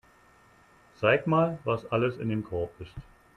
Zeig mal, was alles in dem Korb ist.